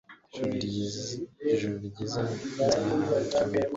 Ijuru ryiza Nzaryoherwa